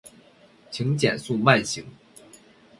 请减速慢行